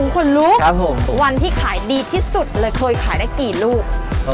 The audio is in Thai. คุณลูกวันที่ขายดีที่สุดเลยเคยขายได้กี่ลูก